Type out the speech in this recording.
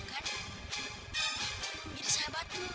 aku akan menjadi sahabatmu